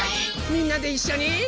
みんなでいっしょに！